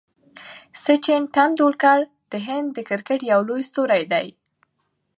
سچن ټندولکر د هند د کرکټ یو لوی ستوری دئ.